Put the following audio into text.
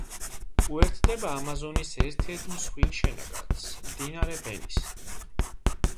უერთდება ამაზონის ერთ-ერთ მსხვილ შენაკადს, მდინარე ბენის.